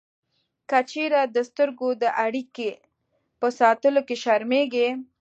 که چېرې د سترګو د اړیکې په ساتلو کې شرمېږئ